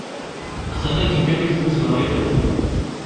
Atan akken kan i k-d-uzneɣ imayl.